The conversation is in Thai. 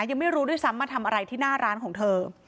ยังไม่รู้ด้วยซ้ำมาทำอะไรที่หน้าร้านของเธอ